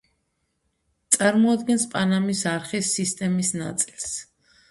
წარმოადგენს პანამის არხის სისტემის ნაწილს.